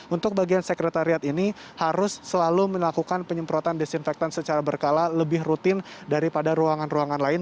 untuk bagian sekretariat ini harus selalu melakukan penyemprotan desinfektan secara berkala lebih rutin daripada ruangan ruangan lain